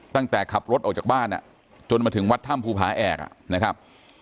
ตั้งแต่ขับรถออกจากบ้านจนมาถึงวัดถ้ำภูผาแอกนะครับ